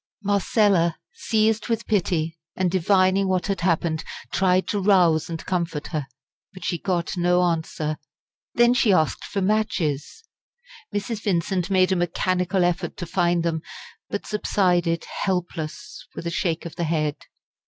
Marcella, seized with pity, and divining what had happened, tried to rouse and comfort her. But she got no answer. Then she asked for matches. Mrs. Vincent made a mechanical effort to find them, but subsided helpless with a shake of the head.